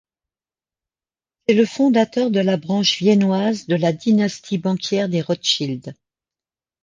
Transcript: C'est le fondateur de la branche viennoise de la dynastie banquière des Rothschild.